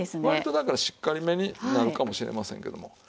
割とだからしっかりめになるかもしれませんけども。